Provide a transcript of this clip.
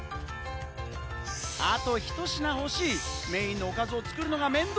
あとひと品欲しい、メインのおかずを作るのが面倒。